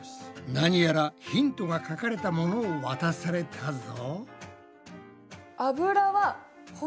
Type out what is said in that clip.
何やらヒントが書かれたものを渡されたぞ。